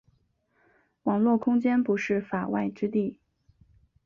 网络空间不是“法外之地”。